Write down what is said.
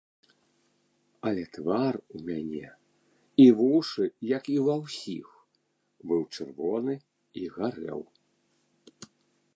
Але твар у мяне і вушы, як і ўва ўсіх, быў чырвоны і гарэў.